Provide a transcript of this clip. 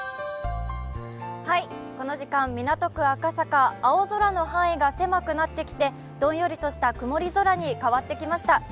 この時間、港区赤坂、青空の範囲が狭くなってきてどんよりとした曇り空に変わってきました。